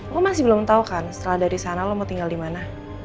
lu masih belum tau kan setelah dari sana lu mau tinggal dimana